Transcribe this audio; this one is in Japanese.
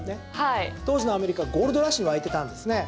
当時のアメリカはゴールドラッシュに沸いていたのですね。